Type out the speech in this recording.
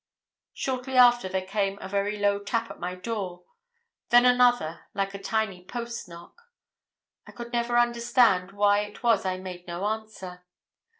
Shortly after there came a very low tap at my door; then another, like a tiny post knock. I could never understand why it was I made no answer.